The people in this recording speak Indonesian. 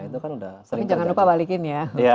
tapi jangan lupa balikin ya